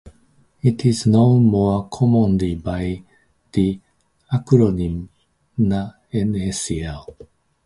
It is known more commonly by the acronym "NaCl".